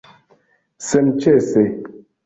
Senĉese!